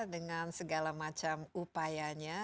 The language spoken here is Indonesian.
dengan segala macam upayanya